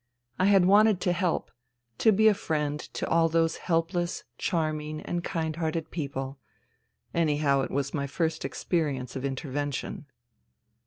I had wanted to help, to be a friend to all those helpless, charming and kind hearted people. ... Anyhow, it was my first experience of " intervention."